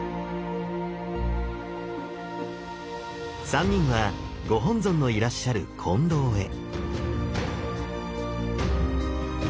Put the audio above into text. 三人はご本尊のいらっしゃる金堂へ。